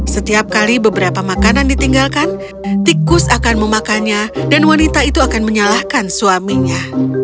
setiap kali beberapa makanan ditinggalkan tikus akan memakannya dan wanita itu akan menyalahkan suaminya